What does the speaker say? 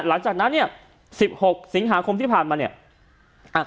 หลังจากนั้นเนี่ยสิบหกสิงหาคมที่ผ่านมาเนี่ย